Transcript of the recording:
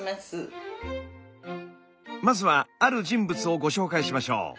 まずはある人物をご紹介しましょう。